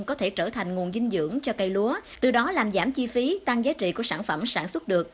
có thể trở thành nguồn dinh dưỡng cho cây lúa từ đó làm giảm chi phí tăng giá trị của sản phẩm sản xuất được